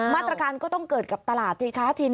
มาตรการก็ต้องเกิดกับตลาดสิคะ